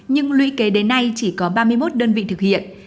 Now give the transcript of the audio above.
nhưng lũy kế đến nay chỉ có ba mươi một đơn vị thực hiện